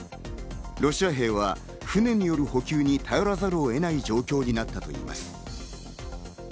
ロシア兵は船による補給に頼らざるを得ない状況になったといいます。